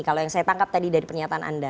kalau yang saya tangkap tadi dari pernyataan anda